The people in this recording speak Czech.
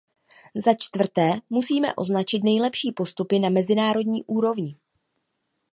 Za čtvrté, musíme označit nejlepší postupy na mezinárodní úrovni.